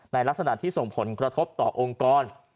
ลักษณะที่ส่งผลกระทบต่อองค์กร